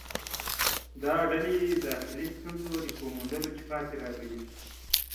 دا ډلې داخلي ستونزو ریښو موندلو پاتې راغلې